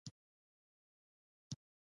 د زیرې ګل د څه لپاره وکاروم؟